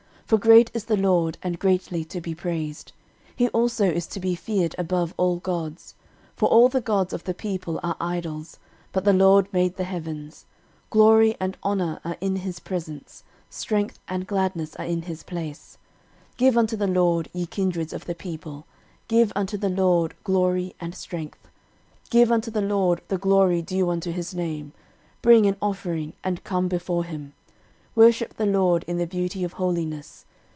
13:016:025 For great is the LORD, and greatly to be praised: he also is to be feared above all gods. 13:016:026 For all the gods of the people are idols: but the LORD made the heavens. 13:016:027 Glory and honour are in his presence; strength and gladness are in his place. 13:016:028 Give unto the LORD, ye kindreds of the people, give unto the LORD glory and strength. 13:016:029 Give unto the LORD the glory due unto his name: bring an offering, and come before him: worship the LORD in the beauty of holiness.